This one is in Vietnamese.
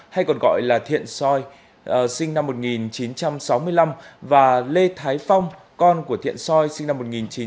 hay còn gọi là thiện soi sinh năm một nghìn chín trăm sáu mươi năm và lê thái phong con của thiện soi sinh năm một nghìn chín trăm sáu mươi